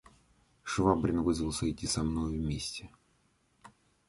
Швабрин вызвался идти со мною вместе.